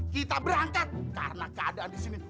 kita berangkat karena keadaan disini